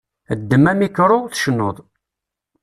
Ddem amikru, tecnuḍ.